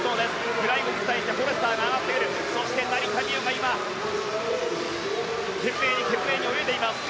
グライムズフォレスターが上がってくるそして成田実生が今懸命に泳いでいます。